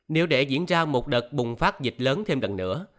nếu để diễn ra một đợt bùng phát dịch lớn thêm gần nữa